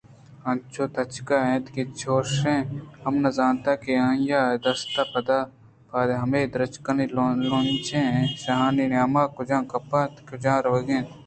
آ انچو تچگ ءَ اَت کہ چُش ہم نہ زانتے کہ آ ئی ءِ دست ءُ پاد ہمے درٛچکانی لونجانیں شاہانی نیام ءَ کُجا کپگ ءَ اَنت ءُ آ کُجا رَوَگ ءَ اِنت